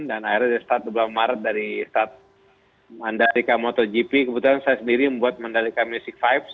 dan akhirnya dari saat bulan maret dari saat mandalika motogp kebetulan saya sendiri membuat mandalika music vibes